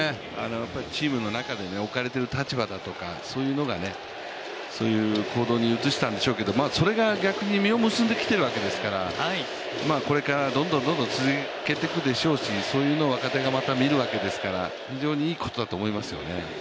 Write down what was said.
チームの中で置かれている立場だとか、そういうものがあってそういう行動に移したんでしょうけどそれが逆に実を結んできているわけですから、これからどんどん続けていくでしょうし、そういうのを若手がまた見るものですから非常にいいことだと思いますよね。